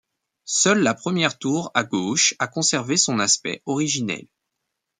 Seule la première tour à gauche a conservé son aspect originel.